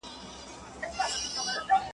د ړانده او گونگي ترمنځ جنگ نه پېښېږي.